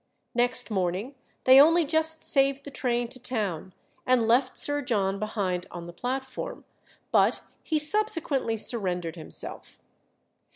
Next morning they only just saved the train to town, and left Sir John behind on the platform, but he subsequently surrendered himself.